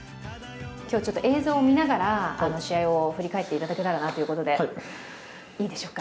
今日はちょっと映像を見ながら、試合を振り返っていただけたらなということで。